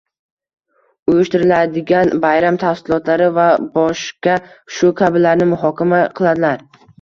uyushtirildigan bayram tafsilotlari va boshka shu kabilarni muhokama qiladilar.